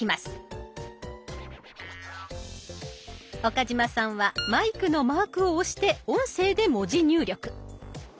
岡嶋さんはマイクのマークを押して音声で文字入力。